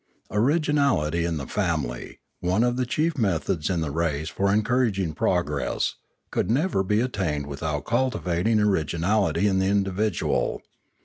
Originality in the family, one of the chief methods in the race for encouraging progress, could never be attained without cultivating originality in the individual.